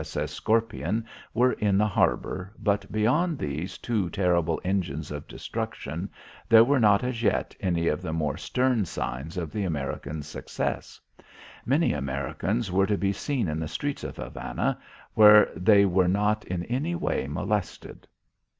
S.S. Scorpion were in the harbour, but beyond these two terrible engines of destruction there were not as yet any of the more stern signs of the American success. Many Americans were to be seen in the streets of Havana where they were not in any way molested.